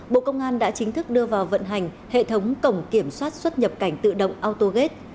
bộ công an đã chính thức đưa vào vận hành hệ thống cổng kiểm soát xuất nhập cảnh tự động autogate